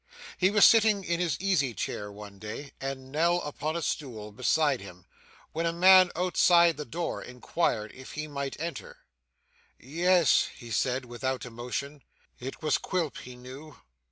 He was sitting in his easy chair one day, and Nell upon a stool beside him, when a man outside the door inquired if he might enter. 'Yes,' he said without emotion, 'it was Quilp, he knew.